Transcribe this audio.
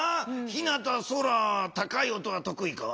ひなたそら高い音はとくいか？